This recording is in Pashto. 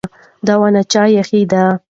دا ونې چا ایښې دي؟